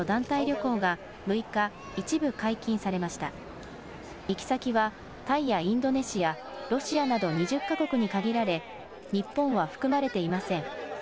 行き先は、タイやインドネシア、ロシアなど２０か国に限られ、日本は含まれていません。